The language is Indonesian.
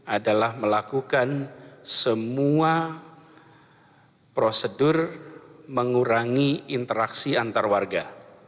adalah melakukan semua prosedur mengurangi interaksi antar warga